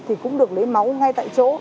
thì cũng được lấy máu ngay tại chỗ